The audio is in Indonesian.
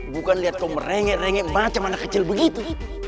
bukan lihat kau merengek rengek macam anak kecil begitu